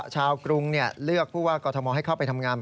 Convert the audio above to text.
กรุงเลือกผู้ว่ากอทมให้เข้าไปทำงาน